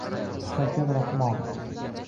Shavkat Rahmon